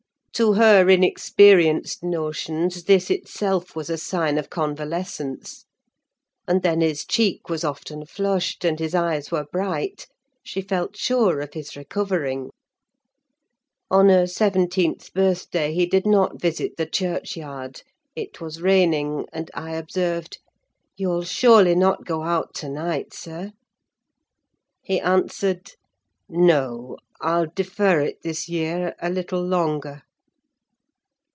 To her inexperienced notions, this itself was a sign of convalescence; and then his cheek was often flushed, and his eyes were bright; she felt sure of his recovering. On her seventeenth birthday, he did not visit the churchyard: it was raining, and I observed— "You'll surely not go out to night, sir?" He answered,—"No, I'll defer it this year a little longer."